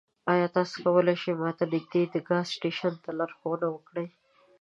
ایا تاسو کولی شئ ما ته نږدې د ګاز سټیشن ته لارښوونه وکړئ؟